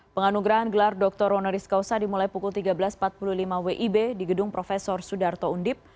penganugerahan gelar dr ronoris causa dimulai pukul tiga belas empat puluh lima wib di gedung prof sudarto undip